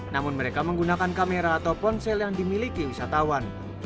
namun mereka menggunakan kamera atau ponsel yang dimiliki wisatawan